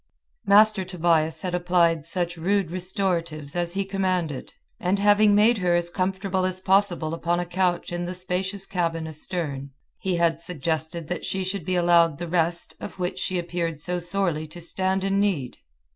Master Tobias had applied such rude restoratives as he commanded, and having made her as comfortable as possible upon a couch in the spacious cabin astern, he had suggested that she should be allowed the rest of which she appeared so sorely to stand in need.